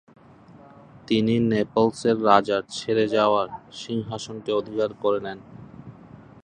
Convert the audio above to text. তিনি নেপলসের রাজার ছেড়ে যাওয়ার সিংহাসনটি অধিকার করে নেন।